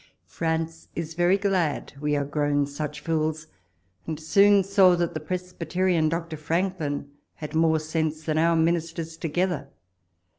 France is very glad we are grown such fools, and soon saw that the Presbyterian Dr. Franklin had more sense than our Ministers together.